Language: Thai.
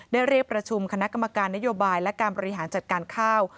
เรียกประชุมคณะกรรมการนโยบายและการบริหารจัดการข้าว